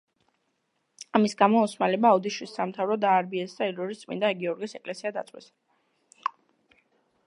ამის გამო ოსმალებმა ოდიშის სამთავრო დაარბიეს და ილორის წმინდა გიორგის ეკლესია დაწვეს.